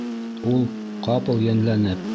Ул, ҡапыл йәнләнеп: